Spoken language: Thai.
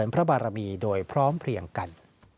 พร้อมเพลียงกัน